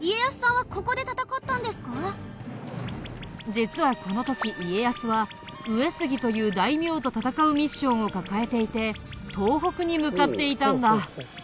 実はこの時家康は上杉という大名と戦うミッションを抱えていて東北に向かっていたんだ。